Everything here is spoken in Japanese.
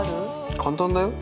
簡単だよ。